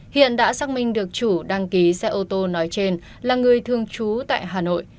hiện đã xác minh được chủ đăng ký xe ô tô nói trên là người thương chú tại hà nội